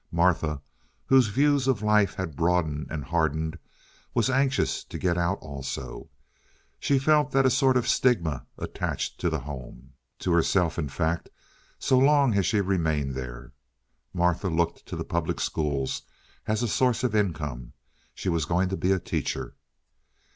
Martha, whose views of life had broadened and hardened, was anxious to get out also. She felt that a sort of stigma attached to the home—to herself, in fact, so long as she remained there. Martha looked to the public schools as a source of income; she was going to be a teacher.